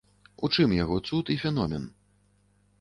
У чым яго цуд і феномен?